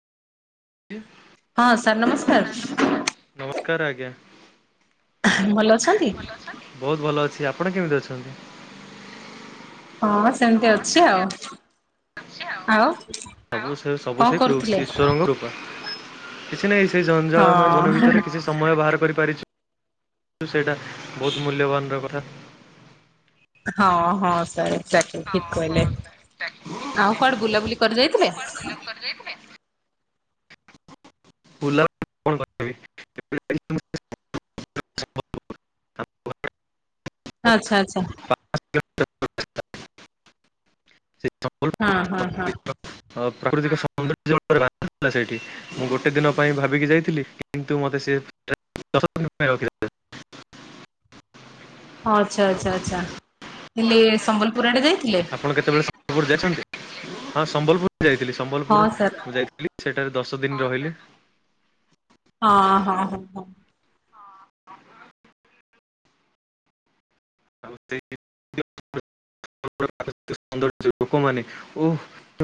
ହଁ ସାର୍ ନମସ୍କାର୍। ନମସ୍କାର୍ ଆଜ୍ଞା। ଭଲ ଅଛନ୍ତି? ବହୁତ୍ ଭଲ ଅଛି, ଆପଣ କେମିତି ଅଛନ୍ତି? ହଁ ସେମିତି ଅଛି ଆଉ, ଆଉ ସବୁ ସେ, ସବୁ କଣ ସେ [unintelligible] କରୁଥିଲେ? ଈଶ୍ୱରଙ୍କ ରୂପ। କିଛି ନାଇଁ, ସେ ଜଞ୍ଜାଳମୟ [unintelligible] ଭିତରେ ହଁ କିଛି ସମୟ ବାହାର କରିପାରିଚି, ସେଇଟା ବହୁତ୍ ମୂଲ୍ୟବାନର କଥା। ହଁ ହଁ ସାରେ। ଚାଚୁ ଠିକ୍ କହିଲେ, ଆଉ କୁଆଡେ ବୁଲାବୁଲି କରି ଯାଇଥିଲେ? କୁଆଡେ ଯାଇଥିଲେ? [unintelligible] ଆଛା ଆଛା। [unintelligible] [unintelligible] ମୁଁ ହଁ ହଁ ହଁ ଗୋଟେ ଦିନ ପାଇଁ ଭାବିକି ଯାଇଥିଲି କିନ୍ତୁ ମତେ ସିଏ ଦଶ ଦିନି ପାଇଁ ରଖିଲା। ହଁ ଆଛା ଆଛା ଆଛା, ହେଲେ ସମ୍ବଲପୁର୍ ଆଡେ ଯାଇଥିଲେ? ଆପଣ କେତେବେଳେ ସମ୍ବଲପୁର ଯାଇଚନ୍ତି? ହଁ ସାର୍ ଥିଲି, ସେଠାରେ ଦଶ ଦିନି ରହିଲେ। ହଁ ହଁ ହଁ ହଁ। [unintelligible] ଲୋକମାନେ ଓ